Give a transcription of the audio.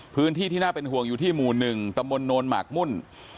ที่น่าเป็นห่วงอยู่ที่หมู่๑ตำบลโนนหมากมุ่น